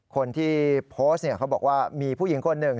คนที่โพสต์เขาบอกว่ามีผู้หญิงคนหนึ่ง